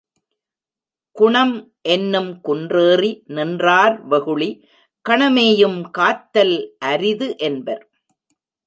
குணம் என்னும் குன்றேறி நின்றார் வெகுளி கணமேயும் காத்தல் அரிது என்பர்.